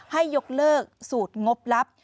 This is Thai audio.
ให้ยกเลิกสูตรงบลับ